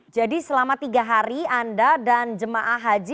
jadi selama tiga hari anda dan jemaah haji